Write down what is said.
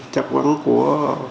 chắc vấn của